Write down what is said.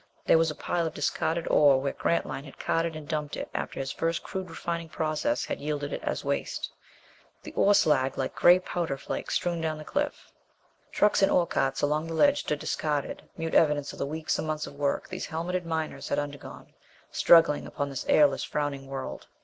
There was a heap of discarded ore where Grantline had carted and dumped it after his first crude refining process had yielded it as waste. The ore slag lay like gray powder flakes strewn down the cliff. Trucks and ore carts along the ledge stood discarded, mute evidence of the weeks and months of work these helmeted miners had undergone, struggling upon this airless, frowning world.